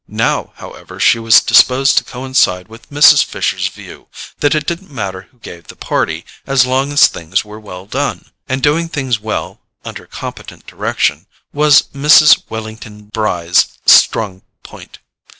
Now, however, she was disposed to coincide with Mrs. Fisher's view, that it didn't matter who gave the party, as long as things were well done; and doing things well (under competent direction) was Mrs. Wellington Bry's strong point.